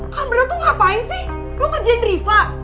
kalian berdua tuh ngapain sih lo ngerjain riva